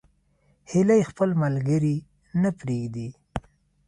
هیلۍ خپل ملګري نه پرېږدي